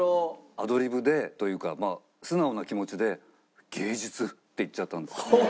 アドリブでというかまあ素直な気持ちで「芸術」って言っちゃったんですよ。